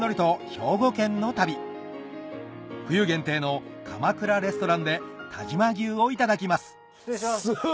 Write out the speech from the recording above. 兵庫県の旅冬限定のかまくらレストランで但馬牛をいただきます失礼します！